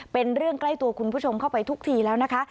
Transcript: เป็นเรื่องใกล้ตัวคุณผู้ชมเข้าไปทุกทีแล้วนะคะ